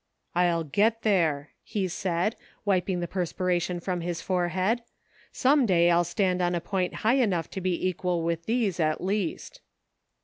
" I'll get ther e," he said, wiping the perspiration from his forehead. " Some day I'll stand on a point high enough to be equal with these, at least."